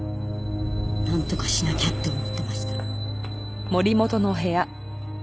なんとかしなきゃって思ってました。